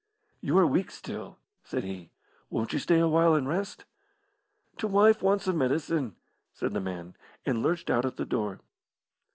"You are weak still," said he. "Won't you stay awhile and rest?" "T' wife wants her medicine," said the man, and lurched out at the door.